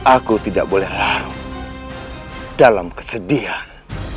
aku tidak boleh harum dalam kesedihan